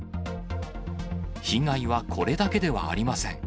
被害はこれだけではありません。